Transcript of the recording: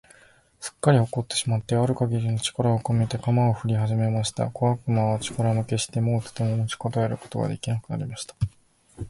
すっかり怒ってしまってある限りの力をこめて、鎌をふりはじました。小悪魔は力負けして、もうとても持ちこたえることが出来なくなりました。